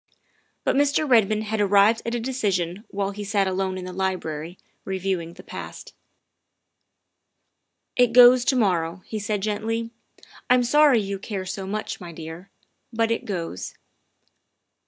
But Mr. Redmond had arrived at a decision while he sat alone in the library, reviewing the past. " It goes to morrow," he said gently. "I'm sorry you care so much, my dear, but it goes.